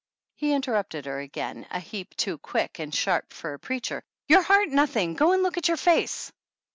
He interrupted her again, a heap too quick and sharp for a preacher : "Your heart nothing! Go and look at your face!"